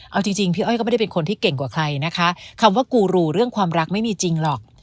เอาจริงพี่อ้อยก็ไม่ได้เป็นคนที่เก่งกว่าใครนะคะคำว่ากูรูเรื่องความรักไม่มีจริงหรอก